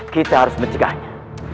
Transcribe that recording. kita harus menjegahnya